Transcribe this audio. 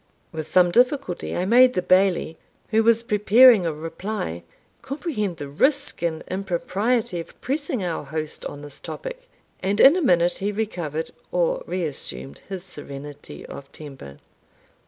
With some difficulty I made the Bailie, who was preparing a reply, comprehend the risk and impropriety of pressing our host on this topic, and in a minute he recovered, or reassumed, his serenity of temper.